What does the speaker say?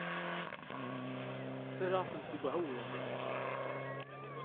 Ttarraɣ-tent deg uɛewwiq.